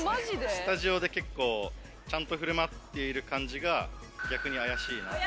スタジオで結構、ちゃんとふるまっている感じが、逆に怪しいなって。